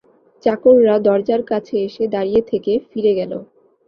চাকররা দরজার কাছে এসে দাঁড়িয়ে থেকে ফিরে গেল।